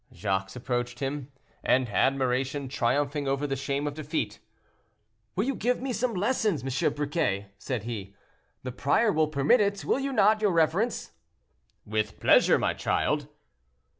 Jacques approached him, and admiration triumphing over the shame of defeat: "Will you give me some lessons, M. Briquet?" said he; "the prior will permit it, will you not, your reverence?" "With pleasure, my child."